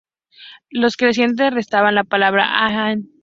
Los crecientes representan la palabra Allah.